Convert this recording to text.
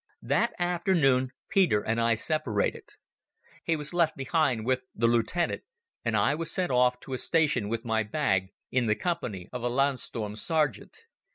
That afternoon Peter and I separated. He was left behind with the lieutenant and I was sent off to the station with my bag in the company of a Landsturm sergeant.